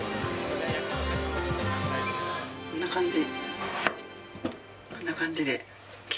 こんな感じ。